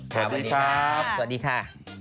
สวัสดีครับสวัสดีค่ะ